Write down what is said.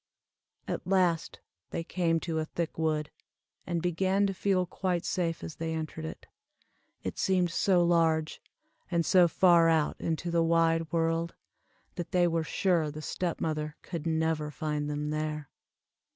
At last they came to a thick wood, and began to feel quite safe as they entered it. It seemed so large, and so far out into the wide world, that they were sure the step mother could never find them there.